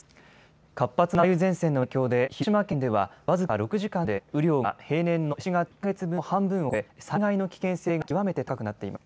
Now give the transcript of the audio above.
活発な梅雨前線の影響で広島県では僅か６時間で雨量が平年の７月１か月分の半分を超え災害の危険性が極めて高くなっています。